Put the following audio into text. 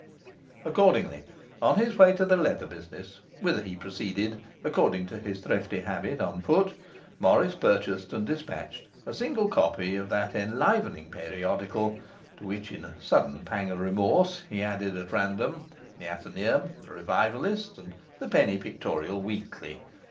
Accordingly, on his way to the leather business, whither he proceeded (according to his thrifty habit) on foot, Morris purchased and dispatched a single copy of that enlivening periodical, to which (in a sudden pang of remorse) he added at random the Athenaeum, the Revivalist, and the Penny Pictorial Weekly.